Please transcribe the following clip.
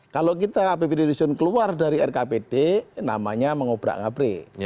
kalau kita apbd dusun keluar dari rkpd namanya mengobrak ngabri